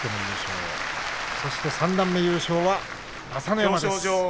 三段目優勝は朝乃山です。